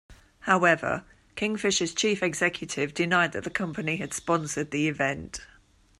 However, Kingfishers' chief executive denied that the company had sponsored the event.